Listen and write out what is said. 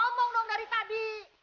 ngomong dong dari tadi